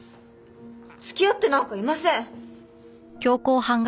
付き合ってなんかいません！